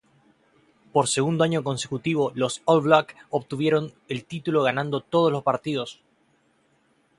Por segundo año consecutivo los All Blacks obtuvieron el título ganando todos los partidos.